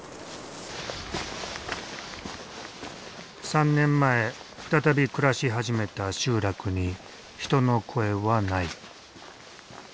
３年前再び暮らし始めた集落に人の声はない。